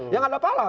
ya nggak apa apa lah